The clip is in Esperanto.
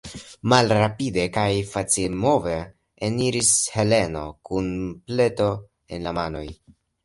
Malrapide kaj facilmove eniris Heleno kun pleto en la manoj.